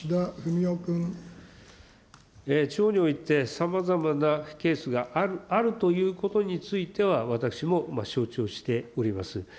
地方において、さまざまなケースがあるということについては私も承知をしております。